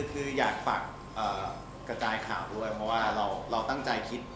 คืออยากฝากกระจายข่าวด้วยเพราะว่าเราตั้งใจคิด